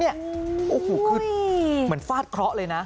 นี่โอ้โหเหมือนฟาดเคราะห์เลยนะ